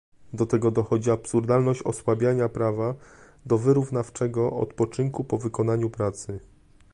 Do tego dochodzi absurdalność osłabiania prawa do wyrównawczego odpoczynku po wykonaniu pracy